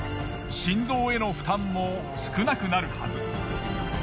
心臓への負担も少なくなるはず。